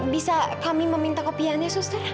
bisa kami meminta kopiannya suster